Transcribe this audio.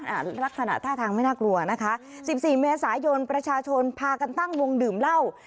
ลักษณะท่าทางไม่น่ากลัวนะคะสิบสี่เมษายนประชาชนพากันตั้งวงดื่มเหล้า